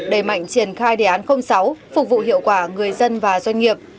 đẩy mạnh triển khai đề án sáu phục vụ hiệu quả người dân và doanh nghiệp